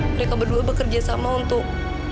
mereka berdua bekerja sama untuk